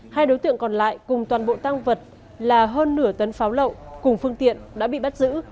hai đối tượng còn lại cùng toàn bộ tăng vật là hơn nửa tấn pháo lậu cùng phương tiện đã bị bắt giữ